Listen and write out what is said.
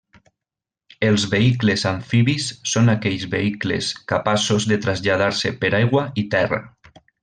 Els vehicles amfibis són aquells vehicles capaços de traslladar-se per aigua i terra.